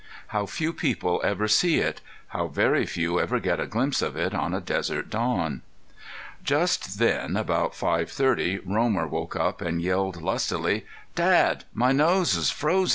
How few people ever see it! How very few ever get a glimpse of it on a desert dawn! Just then, about five thirty, Romer woke up and yelled lustily: "Dad! My nose's froze."